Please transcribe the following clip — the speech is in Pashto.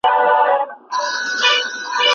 زموږ کلتوري ارزښتونه هېڅکله نه له منځه ځي.